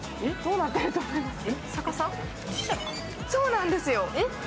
そうなんですよ。